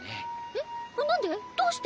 えっなんで？どうして？